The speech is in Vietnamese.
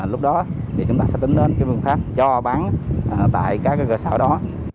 lúc đó thì chúng ta sẽ tính lên cái phương pháp cho bán tại các cơ sở đó